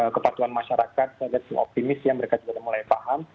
kepatuan masyarakat saya lihat optimis yang mereka juga mulai paham